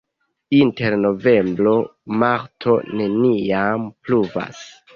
Inter novembro-marto neniam pluvas.